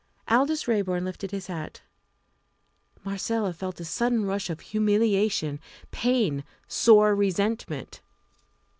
Aldous Raeburn lifted his hat. Marcella felt a sudden rush of humiliation pain sore resentment.